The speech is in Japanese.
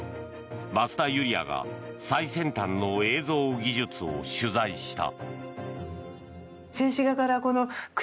増田ユリヤが最先端の映像技術を取材した。